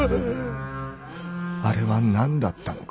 「あれ」は何だったのか？